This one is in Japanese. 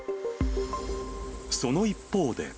その一方で。